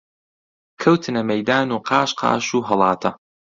کەوتنە مەیدان و قاش قاش و هەڵاتە